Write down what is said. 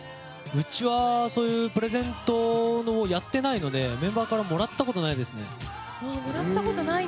うちはプレゼントをやっていないのでメンバーからもらったことないですね。